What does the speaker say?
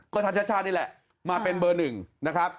ก็ท่านชาตินี่แหละมาเป็นเบอร์หนึ่งนะครับ